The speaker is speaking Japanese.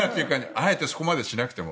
あえてそこまでしなくても。